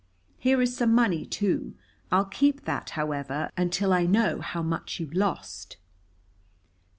Here is some money too. I'll keep that, however, until I know how much you lost."